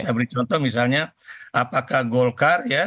saya beri contoh misalnya apakah golkar ya